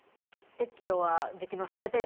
撤去はできますね。